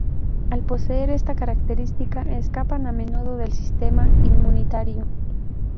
Al poseer esta característica escapan a menudo del sistema inmunitario.